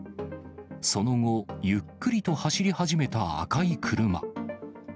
その後、ゆっくりと走り始めた赤い車。